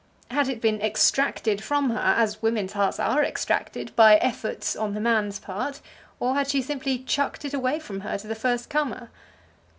Had it been extracted from her, as women's hearts are extracted, by efforts on the man's part; or had she simply chucked it away from her to the first comer?